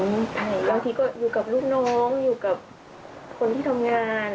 บางทีก็อยู่กับลูกน้องอยู่กับคนที่ทำงาน